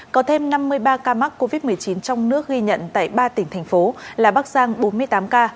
có thêm năm mươi ba ca mắc covid một mươi chín trong nước ghi nhận tại ba tỉnh thành phố là bắc giang bốn mươi tám ca